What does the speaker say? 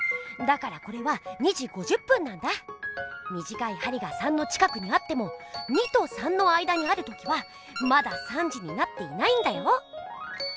だからこれは２じ５０ぷんなんだ！みじかいはりが「３」の近くにあっても「２」と「３」の間にあるときはまだ３じになっていないんだよ。